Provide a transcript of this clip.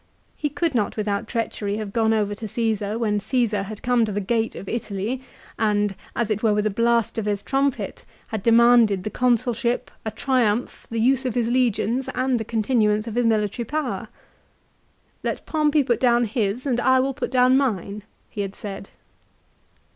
He could not without treachery have gone over to Csesar when Caesar had come to the gate of Italy and, as it were with a blast of his trumpet, had demanded the Consulship, a Triumph, the use of his legions and the continuance of his military power. " Let Pompey put down his, and I will put down mine," he had said.